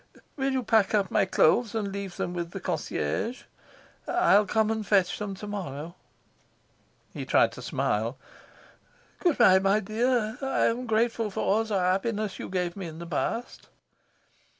"Will you pack up my clothes and leave them with the concierge? I'll come and fetch them to morrow." He tried to smile. "Good bye, my dear. I'm grateful for all the happiness you gave me in the past."